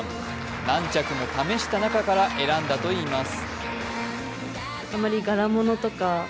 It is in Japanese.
何着も試した中から選んだといいます。